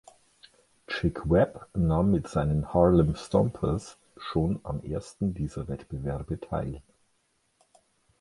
Chick Webb nahm mit seinen "Harlem Stompers" schon am ersten dieser Wettbewerbe teil.